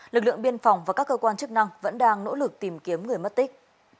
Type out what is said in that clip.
lực lượng biên phòng và các cơ quan chức năng vẫn đang nỗ lực tìm kiếm người mất tích